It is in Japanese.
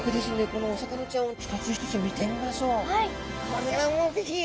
これはもう是非。